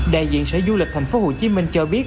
đại diện sở du lịch tp hcm cho biết